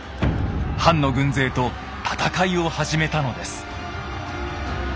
藩の軍勢と戦いを始めたのです。